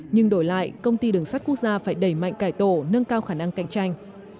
nhưng đổi lại công ty đường sắt quốc gia phải đẩy mạnh cải tổ nâng cao khả năng cạnh tranh